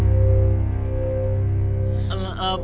gak orangtua enggak anak anak nurduk aja tanpa bukti